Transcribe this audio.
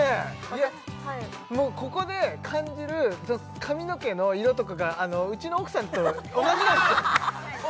もうここで感じる髪の毛の色とかがうちの奥さんと同じなんですよ